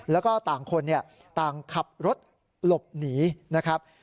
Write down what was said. แล้วก็ต่างคนต่างขับรถหลบหนีนะครับ